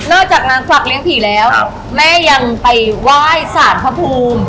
จากงานฝักเลี้ยผีแล้วแม่ยังไปไหว้สารพระภูมิ